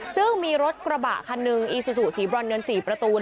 ซึ่งมีรถกระบะคันหนึ่งอีซูซูสีบรอนเงิน๔ประตู